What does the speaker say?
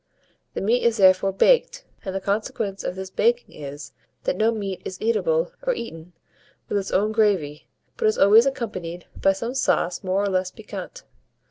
The meat is therefore baked; and the consequence of this baking is, that no meat is eatable or eaten, with its own gravy, but is always accompanied by some sauce more or less piquant.